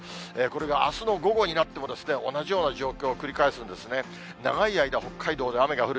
これがあすの午後になっても、同じような状況を繰り返すんですね。